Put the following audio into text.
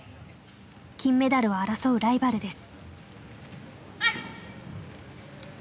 金メダルを争うライバルです。